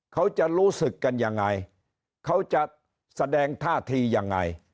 เขาจะรู้สึกกันยังไงเขาจะแสดงท่าทียังไง